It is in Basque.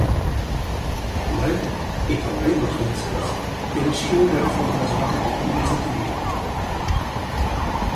Orain, eta oraingoz behintzat, pentsioen erreformaz bakarrik mintzatu dira.